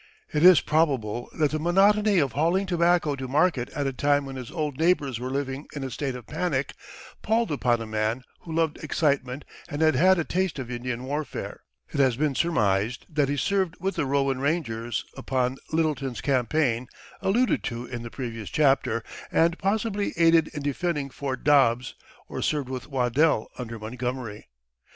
It is probable that the monotony of hauling tobacco to market at a time when his old neighbors were living in a state of panic palled upon a man who loved excitement and had had a taste of Indian warfare. It has been surmised that he served with the Rowan rangers upon Lyttleton's campaign, alluded to in the previous chapter, and possibly aided in defending Fort Dobbs, or served with Waddell under Montgomery.